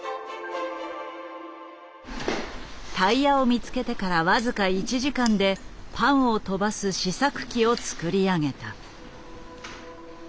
タイヤを見つけてから僅か１時間でパンを跳ばす試作機を作り上げた。